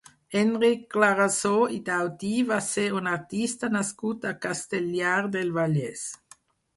Enric Clarasó i Daudí va ser un artista nascut a Castellar del Vallès.